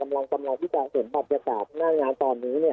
กำลังทำงานที่จะเห็นบรรยากาศหน้างานตอนนี้เนี่ย